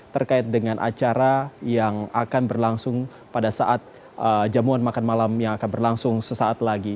terkait dengan acara yang akan berlangsung pada saat jamuan makan malam yang akan berlangsung sesaat lagi